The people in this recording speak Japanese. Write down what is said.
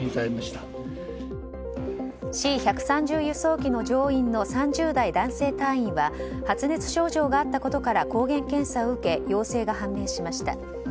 Ｃ１３０輸送機の乗員の３０代男性隊員は発熱症状があったことから抗原検査を受け陽性が判明しました。